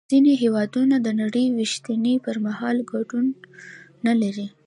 ځینې هېوادونه د نړۍ وېشنې پر مهال ګډون نلري